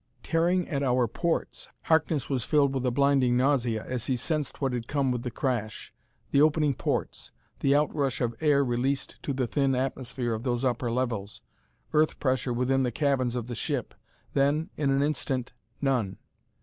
"Tearing at our ports!" Harkness was filled with a blinding nausea as he sensed what had come with the crash. The opening ports the out rush of air released to the thin atmosphere of those upper levels! Earth pressure within the cabins of the ship; then in an instant none!